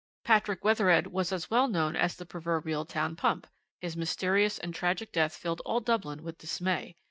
"Patrick Wethered was as well known as the proverbial town pump; his mysterious and tragic death filled all Dublin with dismay.